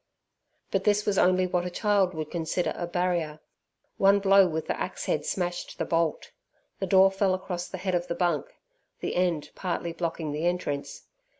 But this was only what a child would consider a barrier. One blow with the axe head smashed the bolt. The door fell across the head of the bunk, the end partly blocking the entrance.